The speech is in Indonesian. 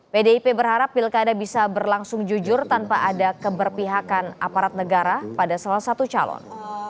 pdip berharap pilkada bisa berlangsung jujur tanpa ada keberpihakan aparat negara pada salah satu calon